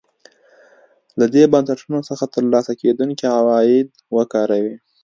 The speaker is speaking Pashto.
له دې بنسټونو څخه ترلاسه کېدونکي عواید وکاروي.